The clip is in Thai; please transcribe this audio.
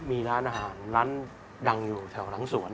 มีร้านอาหารร้านดังอยู่แถวหลังสวน